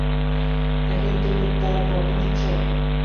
এখন তুমি তার পক্ষ নিচ্ছো?